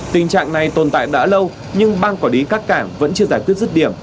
tình trạng này tồn tại đã lâu nhưng băng quả đí các cảng vẫn chưa giải quyết dứt điểm